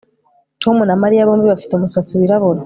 Tom na Mariya bombi bafite umusatsi wirabura